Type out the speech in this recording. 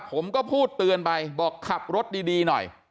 ผมก็พูดเตือนไปบอกขับรถดีหน่อย